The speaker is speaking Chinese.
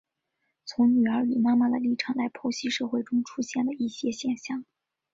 从女儿与妈妈的立场来剖析社会中出现的一些现象。